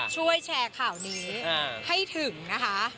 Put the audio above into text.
ช่วยแชร์ข่าวนี้ให้ถึงนะคะ